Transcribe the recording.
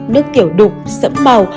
nước tiểu đục sẫm màu